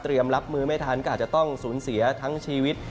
รับมือไม่ทันก็อาจจะต้องสูญเสียทั้งชีวิต